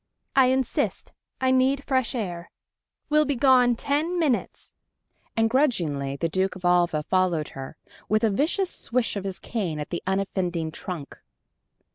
"I insist. I need fresh air.... We'll be gone ten minutes!" And grudgingly the Duke of Alva followed her, with a vicious swish of his cane at the unoffending trunk.